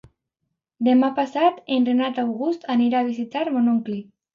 Demà passat en Renat August anirà a visitar mon oncle.